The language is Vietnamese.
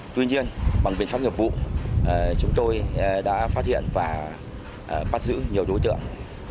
tuy nhiên bằng biện pháp nghiệp vụ chúng tôi đã phát hiện và bắt giữ nhiều đối tượng